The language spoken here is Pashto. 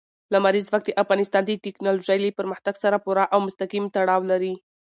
لمریز ځواک د افغانستان د تکنالوژۍ له پرمختګ سره پوره او مستقیم تړاو لري.